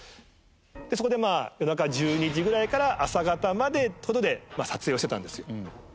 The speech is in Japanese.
そこでまあ夜中１２時ぐらいから朝方までって事で撮影をしてたんですよ。